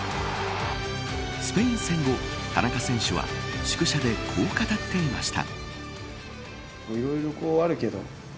スペイン戦後、田中選手は宿舎でこう語っていました。